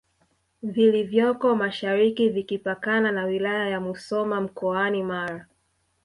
vilivyoko mashariki vikipakana na wilaya ya Musoma mkoani Mara